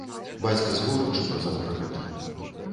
Бацька з горыччу казаў пра гэта.